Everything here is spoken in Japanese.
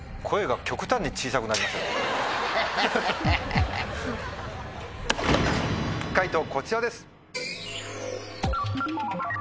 こちらです！